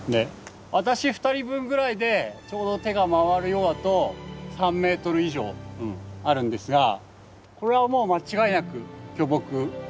私２人分ぐらいでちょうど手が回るようだと３ｍ以上あるんですがこれはもう間違いなく巨木。